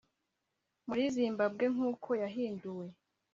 muri zimbabwe nk uko yahinduwe